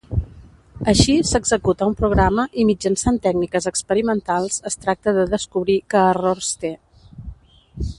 Així s'executa un programa i mitjançant tècniques experimentals es tracta de descobrir que errors té.